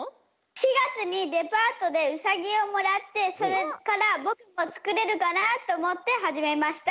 ４がつにデパートでうさぎをもらってそれからぼくもつくれるかなとおもってはじめました。